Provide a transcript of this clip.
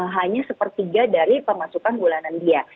hanya sepertiga dari pemasukan bulanan dia